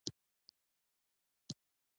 • واده د مینې او وفادارۍ تړون دی.